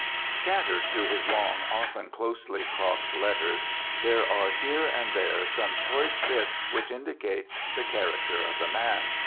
Scattered through his long, often closely crossed letters, there are here and there some choice bits which indicate the character of the man.